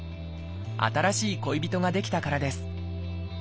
新しい恋人が出来たからです